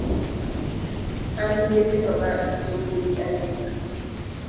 Angi nyithindo ma jowuoi adek.